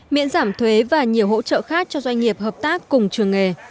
miễn giảm thuế và nhiều hỗ trợ khác cho doanh nghiệp hợp tác cùng trường nghề